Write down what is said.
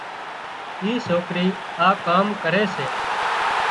اي سوڪرِي آ ڪام ڪري سي